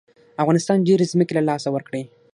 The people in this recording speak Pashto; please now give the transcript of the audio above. افغانستان ډېرې ځمکې له لاسه ورکړې.